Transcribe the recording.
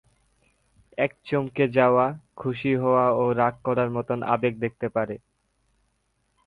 এটি চমকে যাওয়া, খুশি হওয়া ও রাগ করার মত আবেগ দেখাতে পারে।